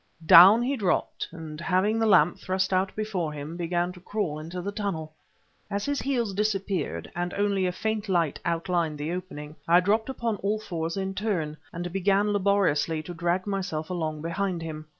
Down he dropped, and, having the lamp thrust out before him, began to crawl into the tunnel. As his heels disappeared, and only a faint light outlined the opening, I dropped upon all fours in turn, and began laboriously to drag myself along behind him.